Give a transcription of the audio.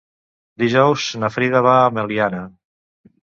Dijous na Frida va a Meliana.